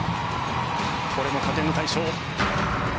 これも加点の対象。